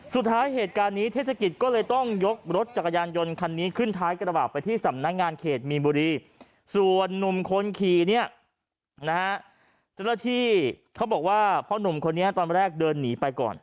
และที่เขาบอกว่าเพราะนุ่มคนนี้เจ้าตัวเราก็ตอนแรกเดินหนีไปก่อน